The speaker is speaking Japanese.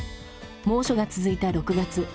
猛暑が続いた６月。